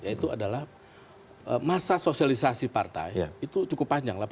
yaitu adalah masa sosialisasi partai itu cukup panjang